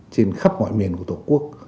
trên khắp ngoại miền của tổ quốc